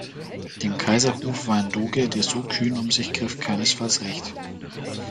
Dem Kaiserhof war ein Doge, „der so kühn um sich griff“, keinesfalls recht.